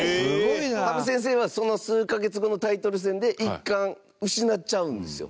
高橋：羽生先生はその数カ月後のタイトル戦で一冠、失っちゃうんですよ。